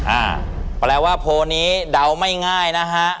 อ่าแปลว่าโพลนี้เดาไม่ง่ายนะฮะ